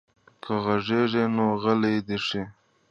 که غږېږي نو غلی دې شي.